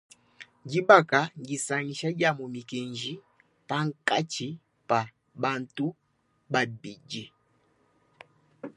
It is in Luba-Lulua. Dibaka ndisangisha dia mu mikenji pankatshi pa bantu babidi.